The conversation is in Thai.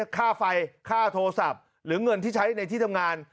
ค่าไฟค่าโทรศัพท์หรือเงินที่ใช้ในที่ทำงาน